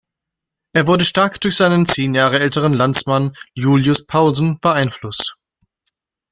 Er wurde stark durch seinen zehn Jahre älteren Landsmann Julius Paulsen beeinflusst.